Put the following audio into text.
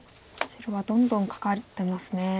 白はどんどんカカってますね。